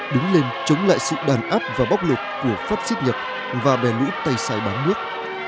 đứng lên chống lại sự đàn áp và bóc lục của pháp xích nhật và bè lũ tay sai bán nước